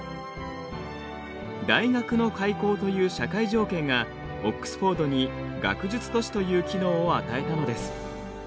大学の開校という社会条件がオックスフォードに学術都市という機能を与えたのです。